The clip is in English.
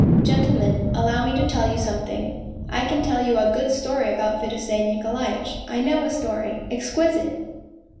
" Gentlemen, allow me to tell you something. I can tell you a good story about Fedosey Nikolaitch ! I know a story exquisite